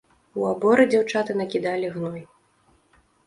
У аборы дзяўчаты накідалі гной.